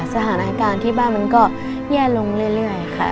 สถานการณ์ที่บ้านมันก็แย่ลงเรื่อยค่ะ